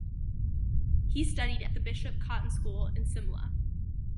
He studied at the Bishop Cotton School in Simla.